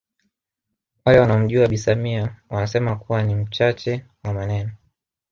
Wale wanaomjua Bi Samia wanasema kuwa ni mchache wa maneno